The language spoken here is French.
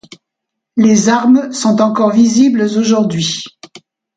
Les armes sont encore visibles aujourd'hui.